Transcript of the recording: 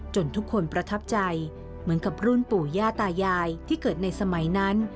ทุกคนประทับใจเหมือนกับรุ่นปู่ย่าตายายที่เกิดในสมัยนั้น